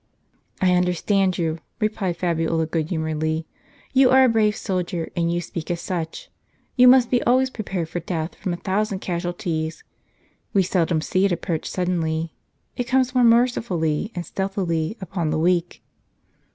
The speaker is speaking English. " I understand you," replied Fabiola, good humoredly ;" you are a brave soldier, and you speak as such. You must be always prepared for death from a thousand casualties ; we seldom see it approach suddenly ; it comes more mercifully, and stealthily, upon the weak.